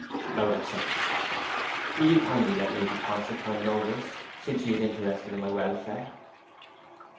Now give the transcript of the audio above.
This offer I will accept. Will you kindly let Lady Constantine know this, since she is interested in my welfare?'